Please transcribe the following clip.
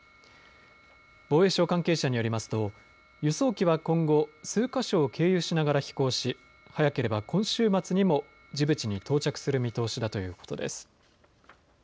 防衛省関係者によりますと輸送機は今後、数か所を経由しながら飛行し早ければ今週末にもジブチに到着する見通しだということです。